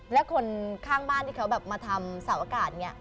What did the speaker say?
และคนข้างบ้านที่เขาแบบมาทำสาวอากาศ